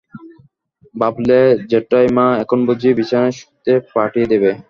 ভাবলে জ্যাঠাইমা এখনই বুঝি বিছানায় শুতে পাঠিয়ে দেবে।